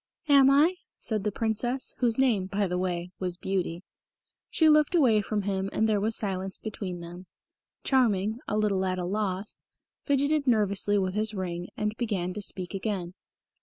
"Am I?" said the Princess, whose name, by the way, was Beauty. She looked away from him and there was silence between them. Charming, a little at a loss, fidgeted nervously with his ring, and began to speak again.